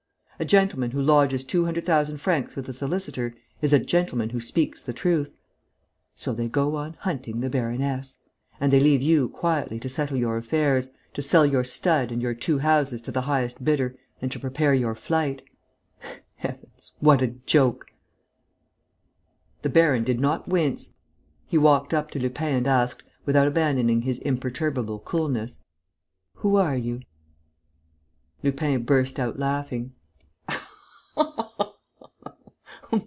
A gentleman who lodges two hundred thousand francs with a solicitor is a gentleman who speaks the truth.... So they go on hunting the baroness! And they leave you quietly to settle your affairs, to sell your stud and your two houses to the highest bidder and to prepare your flight! Heavens, what a joke!" The baron did not wince. He walked up to Lupin and asked, without abandoning his imperturbable coolness: "Who are you?" Lupin burst out laughing.